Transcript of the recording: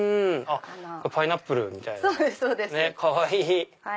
パイナップルみたいなかわいい！